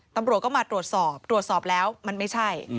ตำรวจก็มาตรวจสอบตรวจสอบแล้วมันไม่ใช่